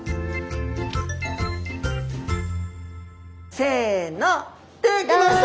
せのできました！